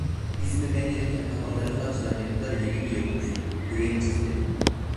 İzmir'den gelirken tabanlarımda açılan yarıklar yeni iyi olmuştu, yüreğim cız dedi.